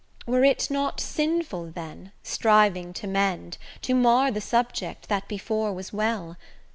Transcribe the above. Were it not sinful then, striving to mend, To mar the subject that before was well?